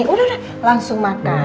udah udah langsung makan